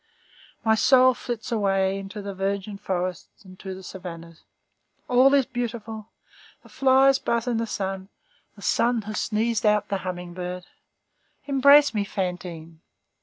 My soul flits away into the virgin forests and to the savannas. All is beautiful. The flies buzz in the sun. The sun has sneezed out the humming bird. Embrace me, Fantine!"